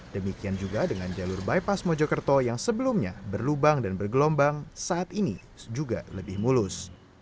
demikian juga dengan jalur bypass mojokerto yang sebelumnya berlubang dan bergelombang saat ini juga lebih mulus